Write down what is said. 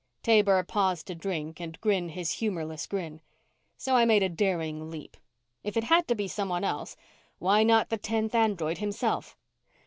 Taber paused to drink and grin his humorless grin. "So I made a daring leap. If it had to be someone else, why not the tenth android himself?"